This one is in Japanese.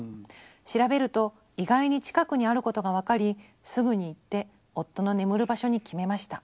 調べると意外に近くにあることが分かりすぐに行って夫の眠る場所に決めました。